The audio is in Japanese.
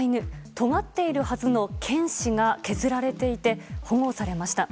とがっているはずの犬歯が削られていて保護されました。